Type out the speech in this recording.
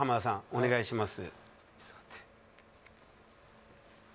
お願いします